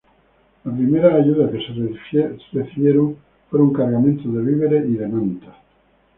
Las primeras ayudas que se recibieron fueron cargamentos de víveres y de mantas.